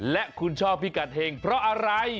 และคุณชอบพิกัดเห็งเพราะอะไร